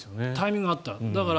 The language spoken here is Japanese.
タイミングはあった。